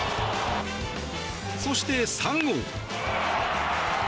そして３号。